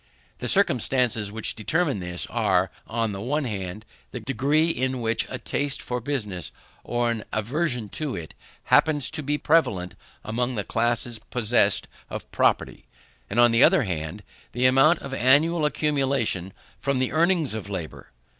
The circumstances which determine this, are, on the one hand, the degree in which a taste for business, or an aversion to it, happens to be prevalent among the classes possessed of property; and on the other hand, the amount of the annual accumulation from the earnings of labour.